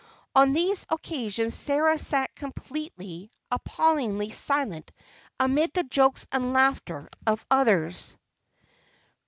On these occasions Sarah sat completely, appallingly silent amid the jokes and laughter of the others.